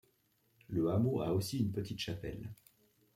Le hameau a aussi une petite chapelle.